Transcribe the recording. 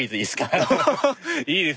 ああいい味です。